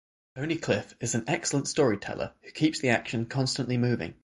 Tony Cliff is an excellent storyteller who keeps the action constantly moving.